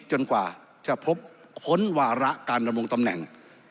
จนกว่าจะพบค้นวาระการดำรงตำแหน่ง